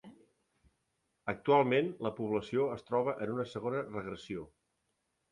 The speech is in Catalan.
Actualment, la població es troba en una segona regressió.